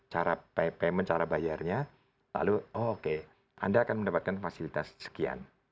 cara ppn cara bayarnya lalu oke anda akan mendapatkan fasilitas sekian